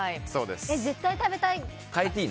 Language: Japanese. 絶対食べたい。